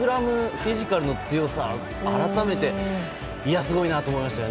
フィジカルの強さが改めてすごいなと思いました。